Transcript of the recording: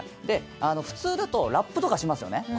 で普通だとラップとかしますよね。